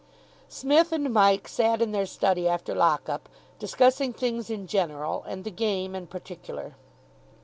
Psmith and Mike sat in their study after lock up, discussing things in general and the game in particular.